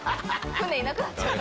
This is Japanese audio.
船いなくなっちゃう。